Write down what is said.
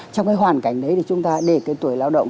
trong cái hoàn cảnh đấy thì chúng ta để cái tuổi lao động